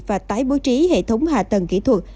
và tái bố trí hệ thống hạ tầng kỹ thuật